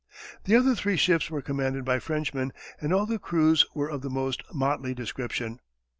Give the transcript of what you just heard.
The other three ships were commanded by Frenchmen, and all the crews were of the most motley description.